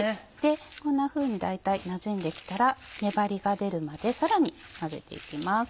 こんなふうに大体なじんできたら粘りが出るまでさらに混ぜていきます。